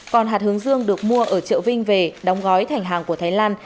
còn hạt hướng dương được mua ở trợ vinh về đóng gói thành hàng của thái lan